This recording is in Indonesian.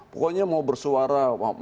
pokoknya mau bersuara